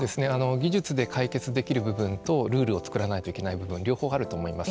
技術で解決できる部分とルールを作らないといけない部分両方あると思います。